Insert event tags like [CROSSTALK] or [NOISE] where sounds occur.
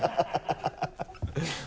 ハハハ [LAUGHS]